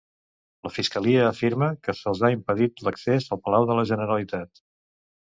La Fiscalia afirma que se'ls ha impedit l'accés al Palau de la Generalitat.